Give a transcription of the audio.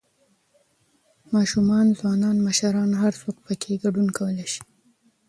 ، ماشومان، ځوانان، مشران هر څوک پکې ګډون کولى شي